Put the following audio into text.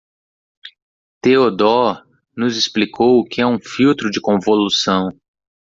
Theodore nos explicou o que é um filtro de convolução.